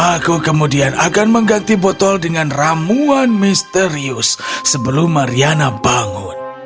aku kemudian akan mengganti botol dengan ramuan misterius sebelum mariana bangun